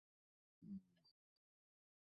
ব্লকটির সদর রতুয়া।